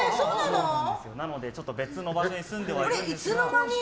なので、別の場所に住んでるんですけど。